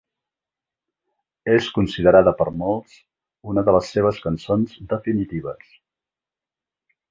És considerada per molts una de les seves cançons definitives.